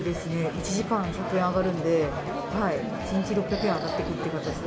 １時間１００円上がるんで、１日６００円上がっていくという形。